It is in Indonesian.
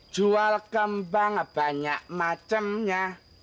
jual kembang banyak macemnya